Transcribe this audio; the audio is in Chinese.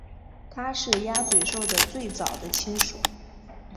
它是鸭嘴兽的最早的亲属。